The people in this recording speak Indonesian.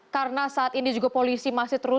karena saat ini juga polisi masih terus